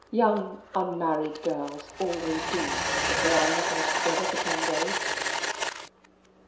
Young unmarried girls always do, if they are in a house together for ten days.